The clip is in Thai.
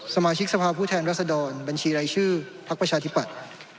สมาชิกสภาพผู้แทนรัศดรบัญชีรายชื่อพักประชาธิปัตย์